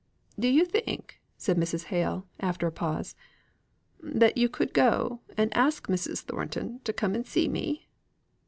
"Do you think," said Mrs. Hale, after a pause, "that you could go and ask Mrs. Thornton to come and see me?